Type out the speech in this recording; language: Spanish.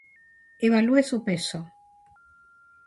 Evalúe su peso